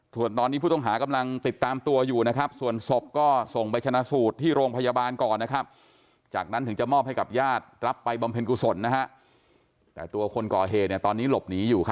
ส่วนตอนนี้ผู้ศึกษากำลังติดตามตัวอยู่นะครับ